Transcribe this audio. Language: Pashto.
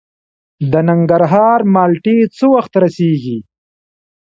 د ننګرهار مالټې څه وخت رسیږي؟